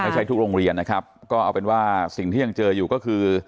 ทุกโรงเรียนนะครับก็เอาเป็นว่าสิ่งที่ยังเจออยู่ก็คือ